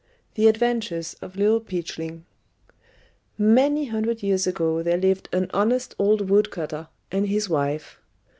THE ADVENTURES OF LITTLE PEACHLING Many hundred years ago there lived an honest old wood cutter and his wife.